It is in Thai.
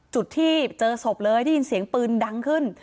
จุดที่เจอศพเลยได้ยินเสียงปืนดังขึ้น